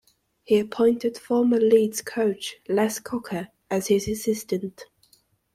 He appointed former Leeds coach Les Cocker as his assistant.